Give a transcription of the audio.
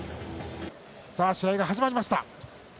さぁ、試合が始まりました。